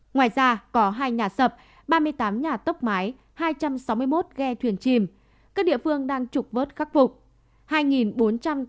ngoài ra có hai nhà sập ba mươi tám nhà tốc mái hai trăm sáu mươi một ghe thuyền chìm các địa phương đang trục vớt khắc phục